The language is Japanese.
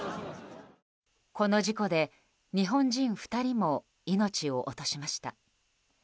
この事故で日本人２人も命を落としました。